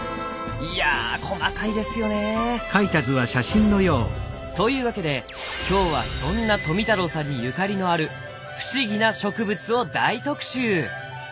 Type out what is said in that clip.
いや細かいですよねえ。というわけで今日はそんな富太郎さんにゆかりのある不思議な植物を大特集！